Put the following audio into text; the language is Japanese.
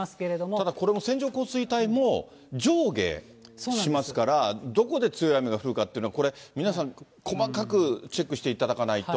ただ、これも線状降水帯も、上下しますから、どこで強い雨が降るかというのは、これ、皆さん、細かくチェックしていただかないと。